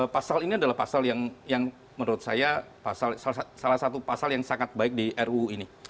pasal ini adalah pasal yang menurut saya salah satu pasal yang sangat baik di ruu ini